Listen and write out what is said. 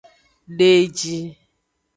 De eji.